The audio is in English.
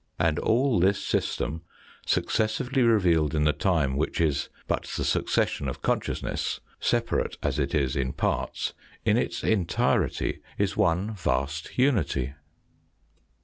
And all this system successively revealed in the time which is but the succession of consciousness, separate as it is in parts, in its entirety is one vast unity.